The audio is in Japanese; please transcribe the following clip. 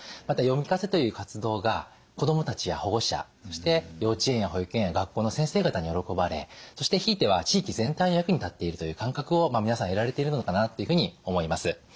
また読み聞かせという活動が子どもたちや保護者そして幼稚園や保育園や学校の先生方に喜ばれそしてひいては地域全体の役に立っているという感覚を皆さん得られているのかなっていうふうに思います。